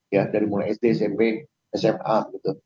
ya dari mulai sd smp sma begitu